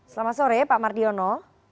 selamat sore pak mardiono